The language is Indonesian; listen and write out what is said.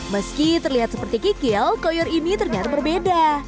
meski terlihat seperti kikil koyor ini ternyata berbeda